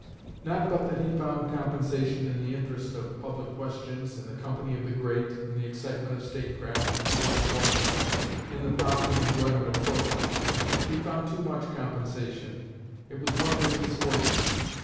Not but that he found compensation in the interest of public questions, in the company of the great, in the excitement of state craft and state employment, in the pomp and enjoyment of court life. He found too much compensation; it was one of his misfortunes.